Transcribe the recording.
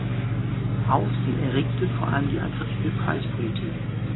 Aufsehen erregte vor allem die aggressive Preispolitik.